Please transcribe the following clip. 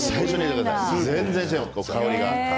全然違う香りが。